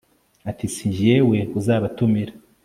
ati si jyewe uzabatumira